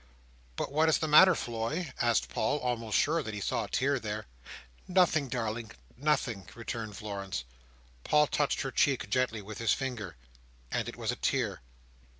"But what is the matter, Floy?" asked Paul, almost sure that he saw a tear there. "Nothing, darling; nothing," returned Florence. Paul touched her cheek gently with his finger—and it was a tear!